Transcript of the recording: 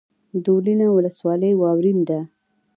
دولینه ولسوالۍ واورین ده؟